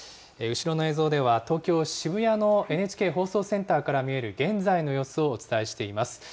後ろの映像では、東京・渋谷のＮＨＫ放送センターから見える現在の様子をお伝えしています。